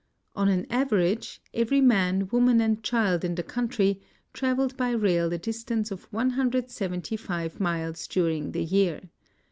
On an average, every man, woman, and cliild in the country traveled by rail a distance of 175 miles during the year.